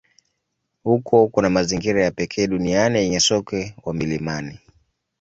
Huko kuna mazingira ya pekee duniani yenye sokwe wa milimani.